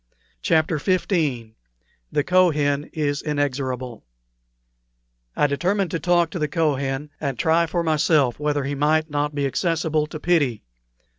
CHAPTER XV THE KOHEN IS INEXORABLE I determined to talk to the Kohen, and try for myself whether he might not be accessible to pity.